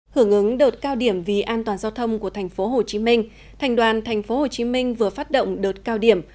hưởng ứng đợt cao điểm vì an toàn giao thông của tp hcm thành đoàn tp hcm vừa phát động đợt cao điểm